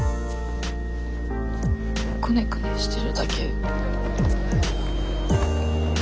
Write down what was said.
くねくねしてるだけ。